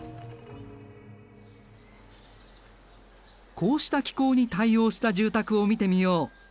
こうした気候に対応した住宅を見てみよう。